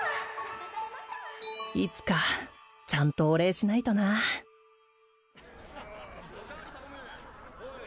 いつかちゃんとお礼しないとな・おかわり頼む・おい